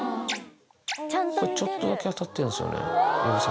ちょっとだけ当たってるんですよね、指先。